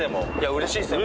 うれしいですよ。